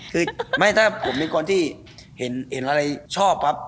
คือไม่ถ้าผมเป็นคนที่เห็นอะไรชอบปั๊บ